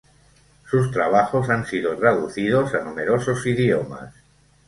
Sus trabajos han sido traducidos a numerosos idiomas.